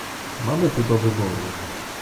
Mamy tu do wyboru